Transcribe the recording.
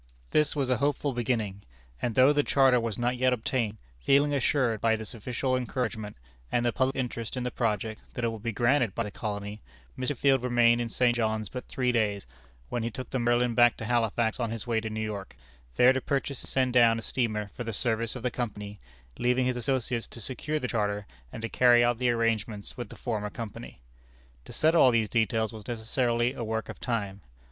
This was a hopeful beginning; and, though the charter was not yet obtained, feeling assured by this official encouragement, and the public interest in the project, that it would be granted by the colony, Mr. Field remained in St. John's but three days, when he took the Merlin back to Halifax on his way to New York, there to purchase and send down a steamer for the service of the Company, leaving his associates to secure the charter and to carry out the arrangements with the former company. To settle all these details was necessarily a work of time.